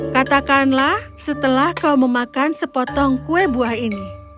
katakanlah setelah kau memakan sepotong kue buah ini